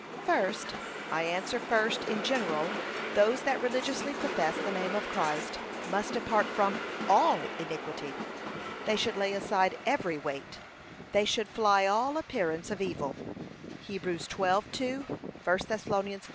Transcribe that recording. First, I answer first, in general, those that religiously profess the name of Christ, must depart from ALL iniquity. They should lay aside every weight; they should fly 'all appearance of evil.' (Heb 12:2; 1 Thess.